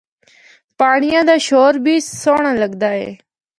پانڑیا دا شور بھی سہنڑا لگدا اے۔